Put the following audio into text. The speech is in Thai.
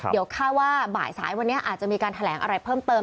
เดี๋ยวค่าว่าบ่ายสายวันนี้อาจจะมีการแถลงอะไรเพิ่มเติม